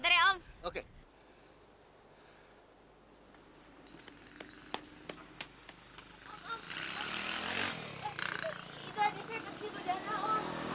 itu adik saya pergi berdarah om